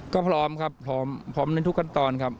ก็พร้อมครับพร้อมพร้อมในทุกขั้นตอนครับ